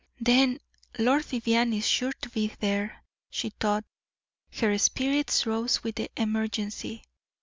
"Then Lord Vivianne is sure to be there," she thought. Her spirits rose with the emergency.